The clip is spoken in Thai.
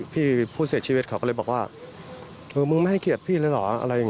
พี่ผู้เสียชีวิตเขาก็เลยบอกว่ามึงไม่ให้เกียจพี่เลยเหรอ